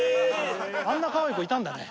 あんなかわいい子いたんだね